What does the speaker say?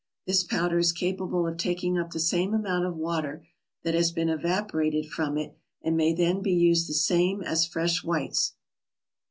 This powder is capable of taking up the same amount of water that has been evaporated from it, and may then be used the same as fresh whites.